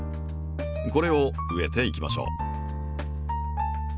これを植えていきましょう。